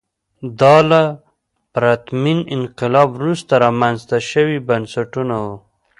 دا له پرتمین انقلاب وروسته رامنځته شوي بنسټونه وو.